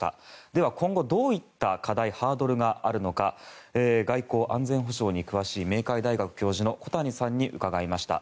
では、今後どういった課題ハードルがあるのか外交・安全保障に詳しい明海大学教授の小谷さんに伺いました。